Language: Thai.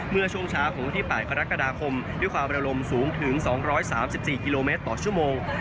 เมื่อช่วงเช้าของวันที่๘กรกฎาคมด้วยความระลมสูงถึง๒๓๔กิโลเมตรต่อชั่วโมง